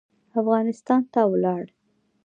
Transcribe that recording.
افغانستان ته ولاړ.